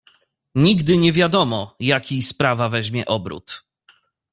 "Nigdy nie wiadomo, jaki sprawa weźmie obrót."